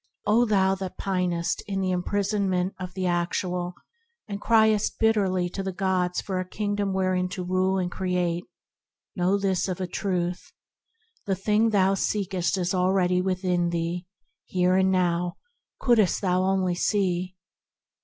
Oh, thou that pinest in the imprisonment of the Actual, and criest bitterly to the gods for a kingdom wherein to rule and create, know this of a truth : The thing thou seekest is already within thee, here and now, couldst thou only see!"